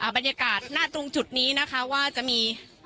บรรยากาศหน้าตรงจุดนี้นะคะว่าจะมี